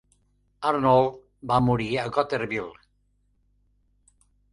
Arnault va morir a Goderville.